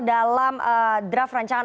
dalam draft rancangan